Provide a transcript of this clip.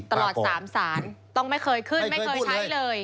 ตลอด๓ศาลต้องไม่เคยขึ้นไม่เคยใช้เลย